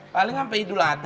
paling sampe idul adha